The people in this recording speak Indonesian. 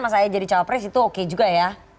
mas ahi jadi calon presiden itu oke juga ya